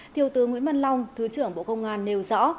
thiều tứ nguyễn văn long thứ trưởng bộ công an nêu rõ